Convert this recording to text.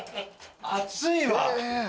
熱いわ。